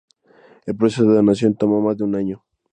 El proceso de donación tomó mas de un año.